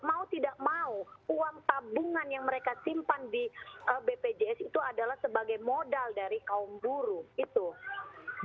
mau tidak mau uang tabungan yang mereka simpan di bpjs itu adalah sebagai modal dari kaum buruh